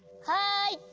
はい！